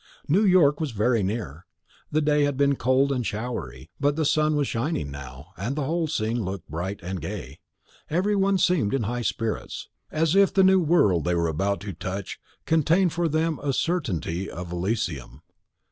New York was very near. The day had been cold and showery, but the sun was shining now, and the whole scene looked bright and gay. Every one seemed in high spirits, as if the new world they were about to touch contained for them a certainty of Elysium.